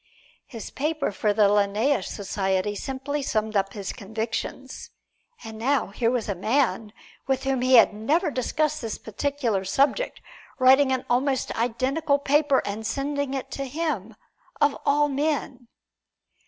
His paper for the Linnæus Society simply summed up his convictions. And now here was a man with whom he had never discussed this particular subject, writing an almost identical paper and sending it to him of all men!